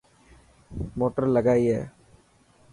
موٽر لگائي اي.